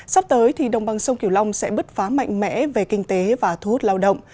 sắp tới thì đồng bằng sông kiều long sẽ bứt phá mạnh mẽ về kinh tế và thu hút lao động